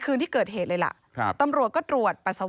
คืนที่เกิดเหตุเลยล่ะครับตำรวจก็ตรวจปัสสาวะ